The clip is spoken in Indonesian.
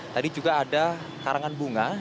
tadi juga ada karangan bunga